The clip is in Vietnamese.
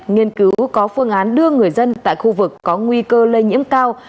nghiên cứu có phương án đưa người dân tại khu vực có nguy cơ lây nhiễm cao